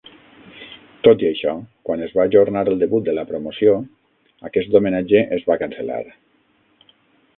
Tot i això, quan es va ajornar el debut de la promoció, aquest homenatge es va cancel·lar.